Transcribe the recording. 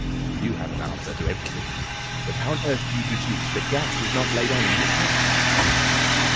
"You have an answer to everything. But how on earth do you deduce that the gas is not laid on in his house?"